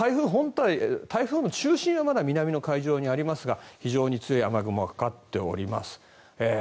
台風の中心はまだ南の海上にありますが非常に強い雨雲がかかっております。